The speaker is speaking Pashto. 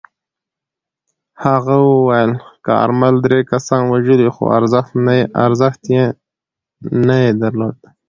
هغه ویلي، کارمل درې کسان وژلي خو ارزښت نه یې درلود.